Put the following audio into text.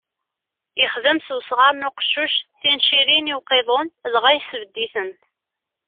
Ixdem s usɣar n uqeccuc tincirin i uqiḍun, dɣa yesbedded-itent.